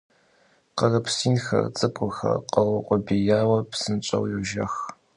Къырыпс инхэр, цӀыкӀухэр къэукъубияуэ, псынщӀэу йожэх.